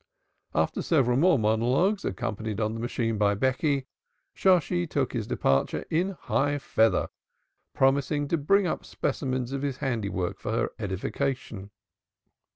After several more monologues, accompanied on the machine by Becky, Shosshi took his departure in high feather, promising to bring up specimens of his handiwork for her edification.